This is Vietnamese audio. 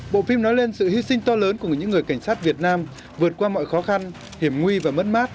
bộ phim nói lên sự hy sinh to lớn của người những người cảnh sát việt nam vượt qua mọi khó khăn hiểm nguy và mất mát